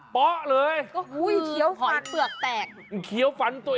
ป้อกเลย